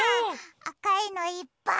あかいのいっぱい！